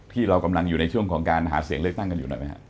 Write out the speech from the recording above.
ที่เรากำลังอยู่ในช่วงของการหาเสียงเลือกตั้งกันอยู่หน่อยไหมครับ